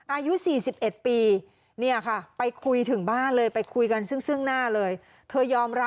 อายุ๔๑ปีเนี่ยค่ะไปคุยถึงบ้านเลยไปคุยกันซึ่งหน้าเลยเธอยอมรับ